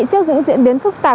trước những diễn biến phức tạp